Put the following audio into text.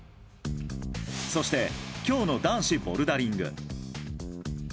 そして、今日の男子ボルダリング。